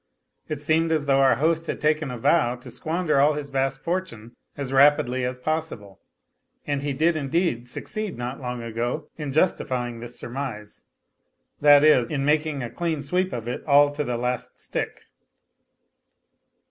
It seemed as though our host had taken a vow to squander all his vast fortune as rapidly as possible, and he did indeed succeed, not long ago, in justifying this surmise, that is, in making a clean sweep of it all to the last stick.